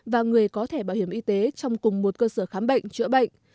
và người có thẻ bảo hiểm y tế trong cùng một cơ sở khám bệnh chữa bệnh